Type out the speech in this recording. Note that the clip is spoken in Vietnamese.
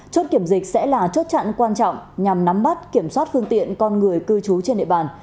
chốt kiểm dịch sẽ là chốt chặn quan trọng nhằm nắm bắt kiểm soát phương tiện con người cư trú trên địa bàn